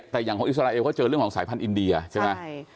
แต่อย่างของอิสราเอลเขาเจอเรื่องของสายพันธุอินเดียใช่ไหม